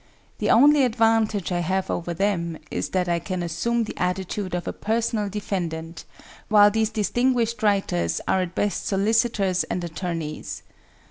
The only advantage I have over them is that I can assume the attitude of a personal defendant, while these distinguished writers are at best solicitors and attorneys.